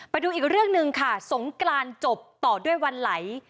ไปดูอีกเรื่องหนึ่งค่ะสงกรานจบต่อด้วยวันไหล